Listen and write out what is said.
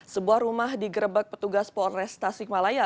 sebuah rumah digerebek petugas polres tasikmalaya